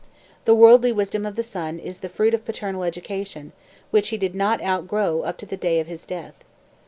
The worldly wisdom of the son is the fruit of paternal education, which he did not outgrow up to the day of his death.